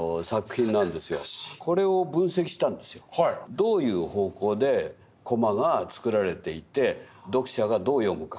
どういう方向でコマが作られていて読者がどう読むか。